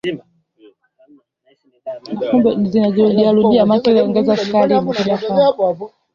Umezitakasa roho, umekuwa mhisani,